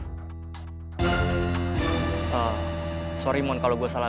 jika saya melihatnya dengan salah